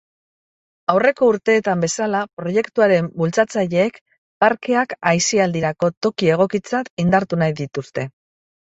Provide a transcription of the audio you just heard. Aurreko urteetan bezala, proiektuaren bultzatzaileek parkeak aisialdirako toki egokitzat indartu nahi dituzte.